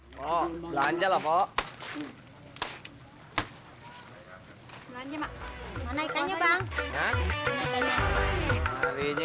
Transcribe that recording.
sebentar pak ketek ketek